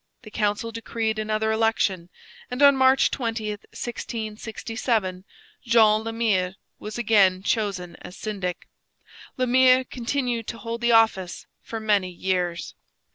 The council decreed another election, and on March 20, 1667, Jean Le Mire was again chosen as syndic. Le Mire continued to hold the office for many years.